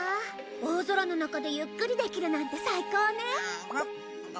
大空の中でゆっくりできるなんて最高ね。